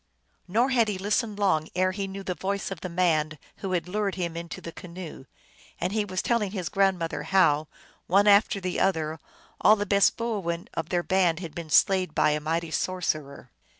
Nor had he listened long ere he knew the voice of the man who had lured him into the canoe, and he was telling his grandmother how, one after the other, all the best boo oin of their band had been slain by a mighty sorcerer.